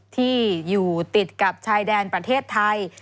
ที่อยู่ติดกับชายแดนประเทศไทย